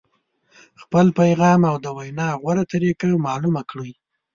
خپل پیغام او د وینا غوره طریقه معلومه کړئ.